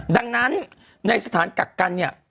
ดังนั้นในสถานกักกันเนี่ย